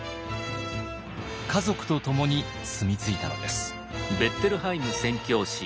家族と共に住み着いたのです。